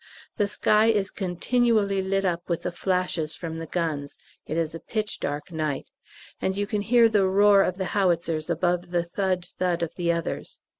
The sky is continually lit up with the flashes from the guns it is a pitch dark night and you can hear the roar of the howitzers above the thud thud of the others.